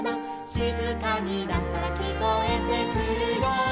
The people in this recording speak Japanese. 「しずかになったらきこえてくるよ」